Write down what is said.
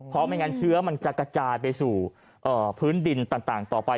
เพราะไม่งั้นเชื้อมันจะกระจายไปสู่พื้นดินต่างต่อไป